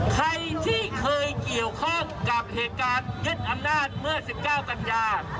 ใครที่เคยเกี่ยวข้องกับเหตุการณ์ยึดอำนาจเมื่อ๑๙กันยา